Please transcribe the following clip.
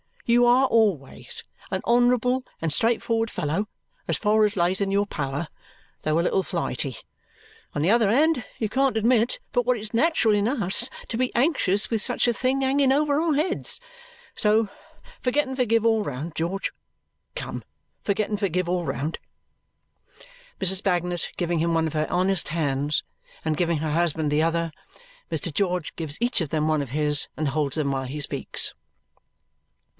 You are always an honourable and straightforward fellow, as far as lays in your power, though a little flighty. On the other hand, you can't admit but what it's natural in us to be anxious with such a thing hanging over our heads. So forget and forgive all round, George. Come! Forget and forgive all round!" Mrs. Bagnet, giving him one of her honest hands and giving her husband the other, Mr. George gives each of them one of his and holds them while he speaks.